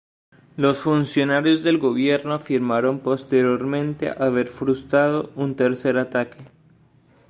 Los funcionarios del gobierno afirmaron posteriormente haber frustrado un tercer ataque.